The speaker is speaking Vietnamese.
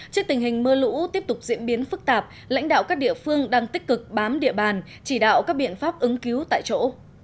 trước tình hình mưa lũ tiếp tục diễn biến phức tạp lãnh đạo các địa phương đang tích cực bám địa bàn chỉ đạo các biện pháp ứng cứu tại chỗ